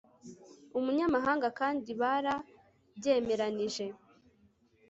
umunyamahanga kandi bara byemeranije